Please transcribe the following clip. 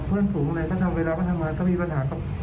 เพื่อนฝูงอะไรก็ทำเวลาก็ทำงานก็มีปัญหา